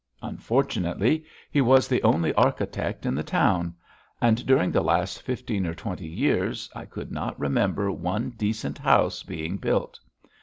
Unfortunately, he was the only architect in the town, and during the last fifteen or twenty years I could not remember one decent house being built.